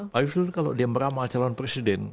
pak yusril kalau dia meramal calon presiden